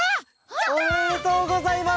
やった！おめでとうございます！